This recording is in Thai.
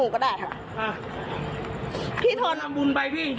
ใช่ค่ะท่อนมาร้อยนิด